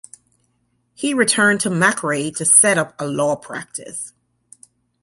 He returned to McRae to set up a law practice.